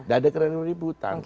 tidak akan ada keributan